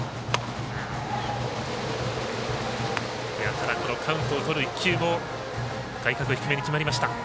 ただカウントをとる１球も外角低めに決まりました。